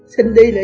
xin chào bà hoa